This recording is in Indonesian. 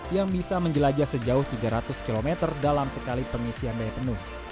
yang bisa menjelajah sejauh tiga ratus km dalam sekali pengisian daya penuh